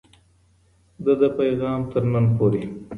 د ده پیغام تر نن پوري